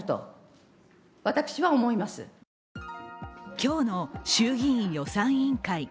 今日の衆議院予算委員会。